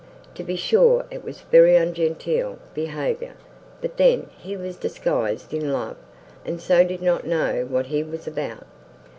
To be sure it was very ungenteel behaviour, but then he was disguised in love, and so did not know what he was about."